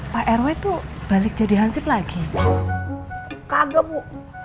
pak rw itu balik jadi hansip lagi kagak bu